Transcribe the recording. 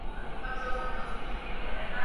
Se trasladó a Madrid y Lisboa.